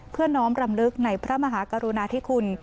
เพื่อน้องรำลึกในพระมหากรุณาที่คุณ